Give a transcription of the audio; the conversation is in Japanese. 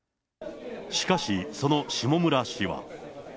しかし、その下村氏は。